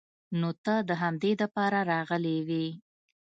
نو ته د همدې د پاره راغلې وې.